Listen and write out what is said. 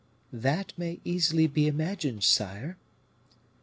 "That may easily be imagined, sire."